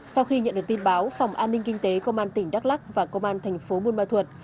sau khi nhận được tin báo phòng an ninh kinh tế công an tỉnh đắk lắc và công an thành phố buôn ma thuật